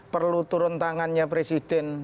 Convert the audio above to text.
perlu turun tangannya presiden